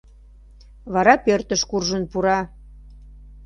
Вара пӧртыш куржын пура.